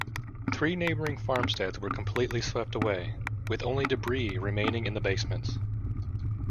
Three neighboring farmsteads were completely swept away, with only debris remaining in the basements.